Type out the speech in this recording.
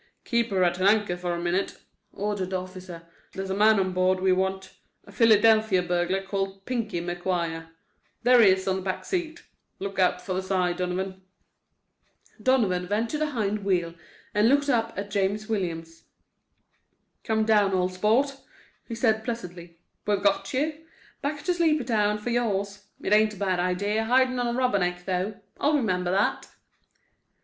"Keep her at anchor for a minute," ordered the officer. "There's a man on board we want—a Philadelphia burglar called 'Pinky' McGuire. There he is on the back seat. Look out for the side, Donovan." Donovan went to the hind wheel and looked up at James Williams. "Come down, old sport," he said, pleasantly. "We've got you. Back to Sleepytown for yours. It ain't a bad idea, hidin' on a Rubberneck, though. I'll remember that."